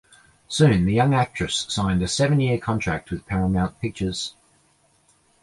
Soon the young actress signed a seven-year contract with Paramount Pictures.